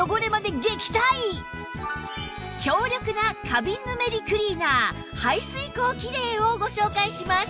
強力なカビ・ヌメリクリーナー排水口キレイをご紹介します